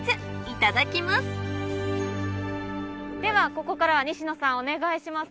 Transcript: ここからは西野さんお願いします。